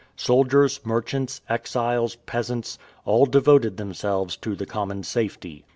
Soldiers, merchants, exiles, peasants, all devoted themselves to the common safety.